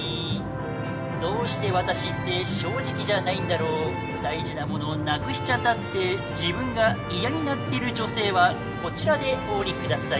「どうして私って正直じゃないんだろう大事なものをなくしちゃったって自分が嫌になってる女性はこちらでお降りください」